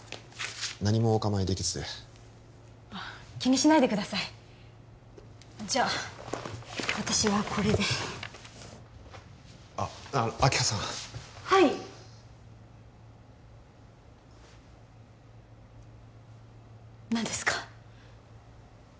何もお構いできずで気にしないでくださいじゃあ私はこれであっあの明葉さんはい何ですか？